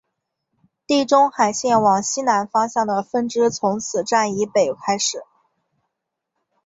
地中海线往西南方向的分支从此站以北开始。